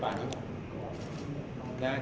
ฮอร์โมนถูกต้องไหม